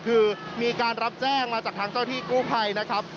คือมีการรับแจ้งมาจากทางเจ้าที่กู้ภัยนะครับ